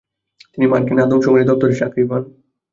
তিনি মার্কিন আদম শুমারি দফতরে চাকরি পান।